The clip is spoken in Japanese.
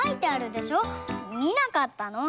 みなかったの？